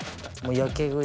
やけ食い？